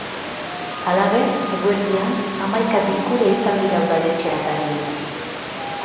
Halaber, eguerdian, hamaika bilkura izan dira udaletxe-atarietan.